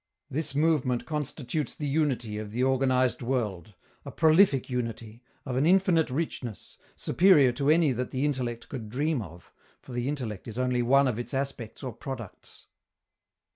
This movement constitutes the unity of the organized world a prolific unity, of an infinite richness, superior to any that the intellect could dream of, for the intellect is only one of its aspects or products.